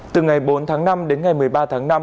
từ ngày bốn tháng năm đến ngày một mươi ba tháng năm